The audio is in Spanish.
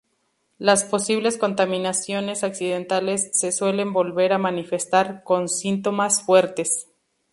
Las posibles contaminaciones accidentales se suelen volver a manifestar, con síntomas fuertes.